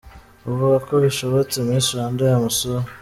Avuga ko bishobotse Miss Rwanda yamusura.